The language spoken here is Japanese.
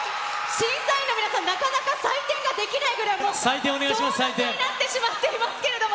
審査員の皆さん、なかなか採点ができないぐらい、もう総立ちになってしまっていますけれども。